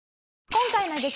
今回の激